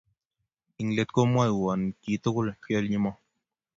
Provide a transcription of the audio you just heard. Eng' let komwoiwon kiy tukul Chelimo.